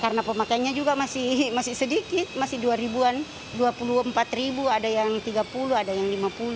karena pemakaiannya juga masih sedikit masih dua an dua puluh empat ada yang tiga puluh ada yang lima puluh